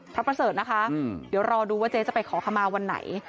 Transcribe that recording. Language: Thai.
ประเสริฐนะคะเดี๋ยวรอดูว่าเจ๊จะไปขอขมาวันไหน